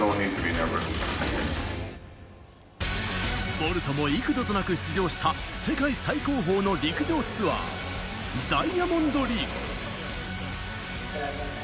ボルトも幾度となく出場した世界最高峰の陸上ツアー、ダイヤモンドリーグ。